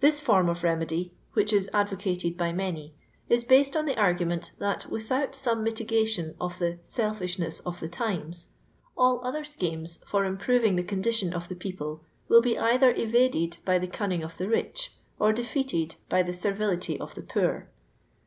This form of remedy, which is advocated by many, is based om the argument^ that, without some mitigation of the " selfishness of the times," all other schemes ibr improving the condition of the p«4de will be either evaded by the cunaing of the atk, or defisatcd by the servility of the poor.